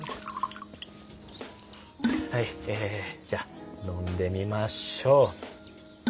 はいじゃ飲んでみましょう。